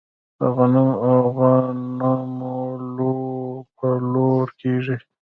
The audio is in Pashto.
د غنمو لو په لور کیږي.